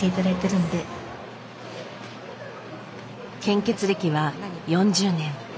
献血歴は４０年。